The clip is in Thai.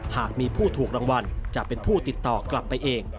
หากมีผู้ถูกรางวัลจะเป็นผู้ติดต่อกลับไปเอง